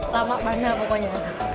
lama banget pokoknya